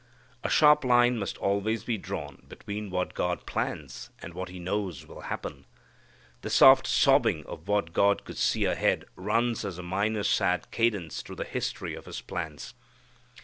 A sharp line must always be drawn between what God plans and what He knows will happen. The soft sobbing of what God could see ahead runs as a minor sad cadence through the story of His plans.